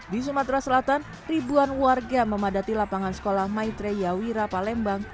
di sumatera selatan ribuan warga memadati lapangan sekolah maitre yawira palembang